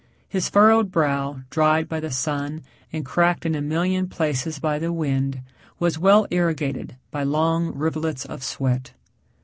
His furrowed brow, dried by the sun and cracked in a million places by the wind was well irrigated by long rivulets of sweat.